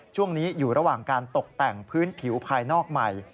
ช่วงนี้อยู่ระหว่างการตกแต่งพื้นผิวภายนอกใหม่